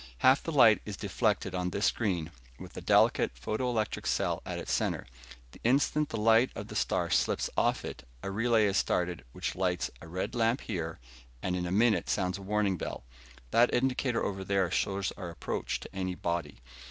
Half the light is deflected on this screen, with a delicate photo electric cell at its center. The instant the light of the star slips off it, a relay is started which lights a red lamp here, and in a minute sounds a warning bell. That indicator over there shows our approach to any body.